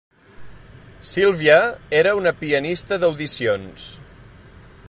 Sylvia era una pianista d'audicions.